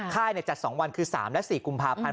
ค่ายจัด๒วันคือ๓และ๔กุมภาพันธ์